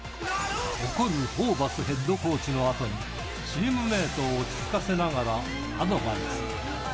怒るホーバスヘッドコーチのあとに、チームメートを落ち着かせながらアドバイス。